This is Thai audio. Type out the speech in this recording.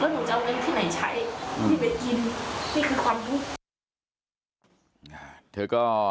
แล้วหนูจะเอาไว้ที่ไหนใช้พี่ไปกินพี่คือความรู้